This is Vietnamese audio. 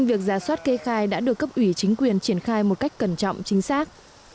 việc giả soát kê khai đã được cấp ủy chính quyền triển khai một cách cẩn trọng chính xác